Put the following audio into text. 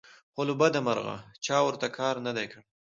خو له بدمرغه چا ورته کار نه دى کړى